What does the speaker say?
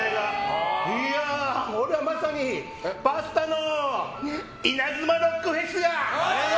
これはまさに、パスタのイナズマロックフェスや！